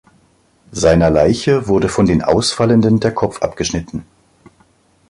Seiner Leiche wurde von den Ausfallenden der Kopf abgeschnitten.